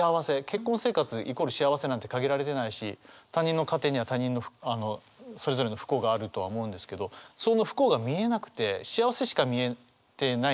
結婚生活イコール幸せなんて限られてないし他人の家庭にはそれぞれの不幸があるとは思うんですけどその不幸が見えなくて幸せしか見えてないんですよね。